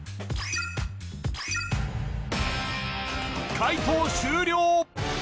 解答終了